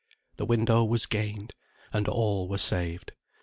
The window was gained, and all were saved.